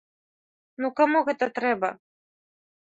Ну каму гэта трэба?